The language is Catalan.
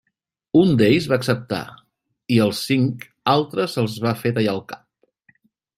Un d'ells va acceptar i als cinc altres els va fer tallar el cap.